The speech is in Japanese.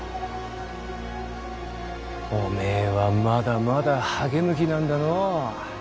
おめぇはまだまだ励む気なんだのう。